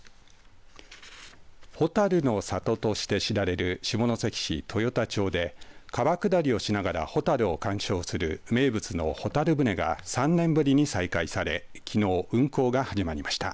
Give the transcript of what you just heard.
ホタルの里として知られる下関市豊田町で川下りをしながらホタルを鑑賞する名物のホタル舟が３年ぶりに再開されきのう、運航が始まりました。